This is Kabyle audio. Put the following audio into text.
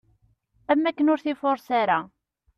Am wakken ur t-ifures ara.